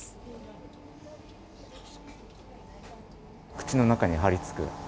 口の中に張り付く。